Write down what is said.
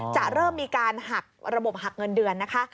จะเริ่มมีการระบบหักเงินเดือน